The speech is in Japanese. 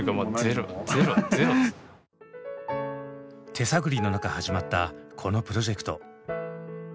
手探りの中始まったこのプロジェクト。